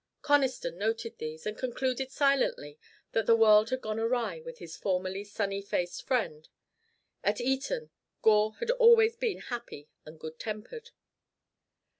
Conniston noted these, and concluded silently that the world had gone awry with his formerly sunny faced friend. At Eton, Gore had always been happy and good tempered.